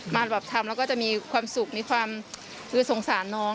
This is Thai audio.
มาแบบทำแล้วก็จะมีความสุขมีความคือสงสารน้อง